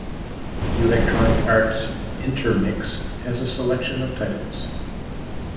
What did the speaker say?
Electronic Arts Intermix has a selection of titles.